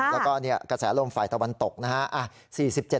แล้วก็กระแสลมฝ่ายตะวันตกนะฮะ